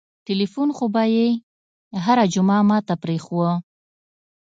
ټېلفون خو به يې هره جمعه ما ته پرېښووه.